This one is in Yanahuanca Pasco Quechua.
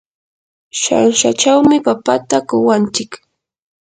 shanshachawmi papata kuwantsik.